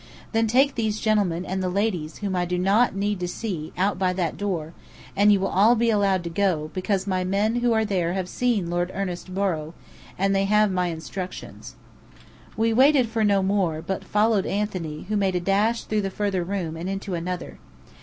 "Then take these gentlemen, and the ladies, whom I do not need to see, out by that door, and you will all be allowed to go, because my men who are there have seen Lord Ernest Borrow, and they have my instructions." We waited for no more, but followed Anthony, who made a dash through the further room, and into another.